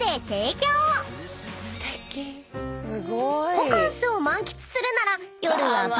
［ホカンスを満喫するなら］